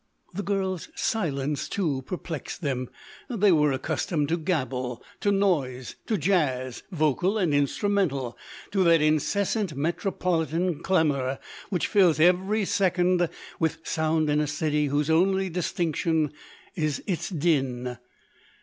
The girl's silence, too, perplexed them; they were accustomed to gabble, to noise, to jazz, vocal and instrumental, to that incessant metropolitan clamour which fills every second with sound in a city whose only distinction is its din.